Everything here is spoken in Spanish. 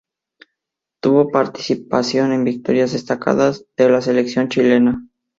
Tuvo participación en victorias destacadas de la selección chilena.